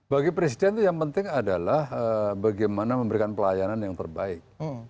bagi presiden itu yang penting adalah bagaimana memberikan pelayanan yang terbaik